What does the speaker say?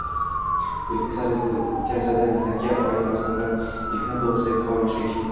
“O‘zbekiston Respublikasida mehnatga oid munosabatlar mehnat to‘g‘risidagi qonunchilik